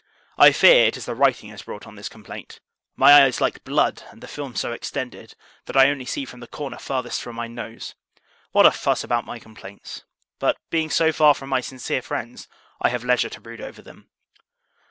I fear, it is the writing has brought on this complaint. My eye is like blood; and the film so extended, that I only see from the corner farthest from my nose. What a fuss about my complaints! But, being so far from my sincere friends, I have leisure to brood over them.